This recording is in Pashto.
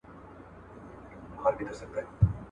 لويس د دې دواړو نومونو ترمنځ توپیر نه کوي.